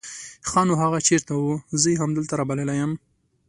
ښا نو هغه چېرته وو؟ زه يې همدلته رابللی يم.